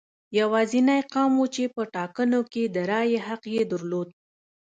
یوازینی قوم و چې په ټاکنو کې د رایې حق یې درلود.